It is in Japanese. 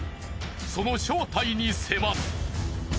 その正体に迫る。